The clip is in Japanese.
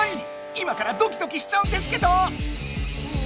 今からドキドキしちゃうんですけど！